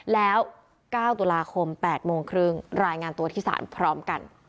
แล้ว๙ตุลาคม๘โมงครึ่งรายงานตัวที่ศาลพร้อมกัน